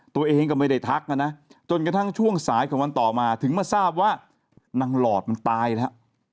ตัวเองก็ไม่ได้ทักนะนะจนกระทั่งช่วงสายของวันต่อมาถึงมาทราบว่านางหลอดมันตายแล้ว